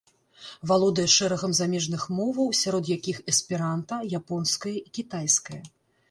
Валодае шэрагам замежных моваў, сярод якіх эсперанта, японская і кітайская.